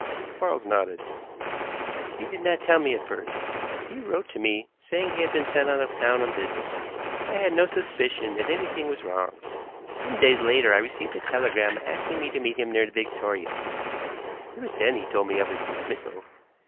Quarles nodded. "He did not tell me at first. He wrote to me, saying he had been sent out of town on business. I had no suspicion that anything was wrong. Some days later I received a telegram asking me to meet him near Victoria. It was then he told me of his dismissal.